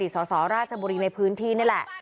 สสราชบุรีในพื้นที่นี่แหละ